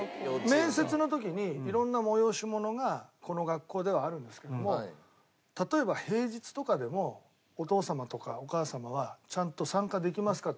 面接の時に色んな催し物がこの学校ではあるんですけども例えば平日とかでもお父様とかお母様はちゃんと参加できますか？